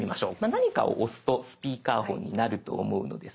何かを押すとスピーカーフォンになると思うのですが。